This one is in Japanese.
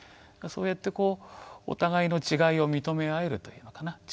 そうやってこうお互いの違いを認め合えるというのかな。